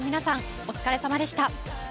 お疲れさまでした。